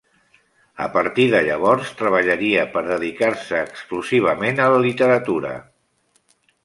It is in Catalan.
A partir de llavors, treballaria per dedicar-se exclusivament a la literatura.